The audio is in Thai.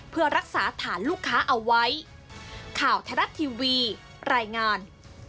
เพื่อรักษาฐานลูกค้าเอาไว้ข่าวไทยรัฐทีวีรายงาน